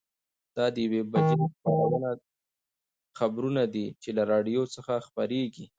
دا د یوې بجې خبرونه دي چې له راډیو څخه خپرېږي.